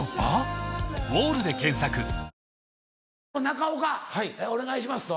中岡お願いします。